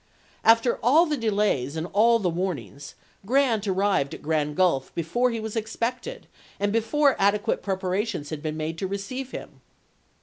After all the delays and all the warnings, Grant arrived at Grand Gulf before he was expected, and before adequate preparations had been made to receive him.